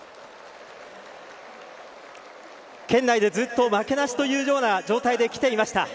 県内でずっと負けなしというような状態で来ていました。